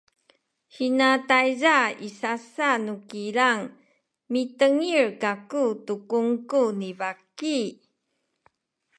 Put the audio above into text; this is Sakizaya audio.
hina tayza i sasa nu kilang mitengil kaku tu kungku ni baki